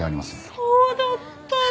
そうだったんだ！